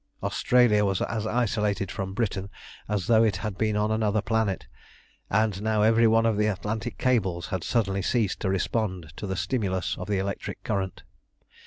Australia was as isolated from Britain as though it had been on another planet, and now every one of the Atlantic cables had suddenly ceased to respond to the stimulus of the electric current.